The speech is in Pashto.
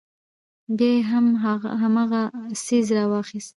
بيا يې هم هماغه څيز راواخيست.